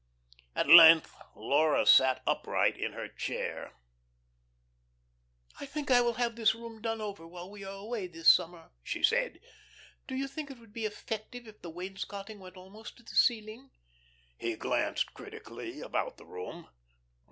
At length Laura sat upright in her chair. "I think I will have this room done over while we are away this summer," she said. "Don't you think it would be effective if the wainscotting went almost to the ceiling?" He glanced critically about the room.